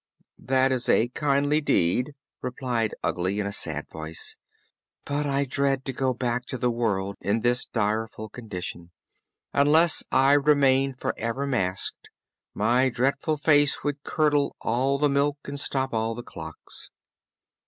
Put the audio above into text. "That is a kindly deed," replied Ugly in a sad voice, "but I dread to go back to the world in this direful condition. Unless I remain forever masked, my dreadful face would curdle all the milk and stop all the clocks."